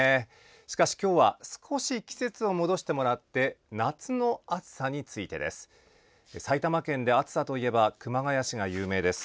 しかし今日は少し季節を戻してもらって夏の暑さについてです。埼玉県で暑さといえば熊谷市が有名です。